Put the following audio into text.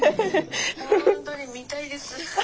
本当に見たいです。